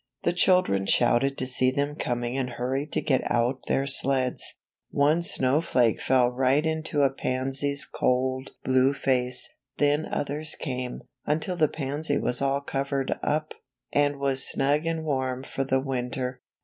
The children shouted to see them coming and hurried to get out their sleds. One snow flake fell right into a pansy's cold blue face. Then others came, until the pansy was all covered up, and was snug and warm for the winter.